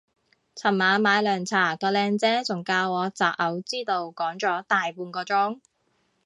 尋晚買涼茶個靚姐仲教我擇偶之道講咗大半個鐘